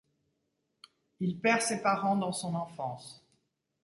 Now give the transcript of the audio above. Il perd ses parents dans son enfance.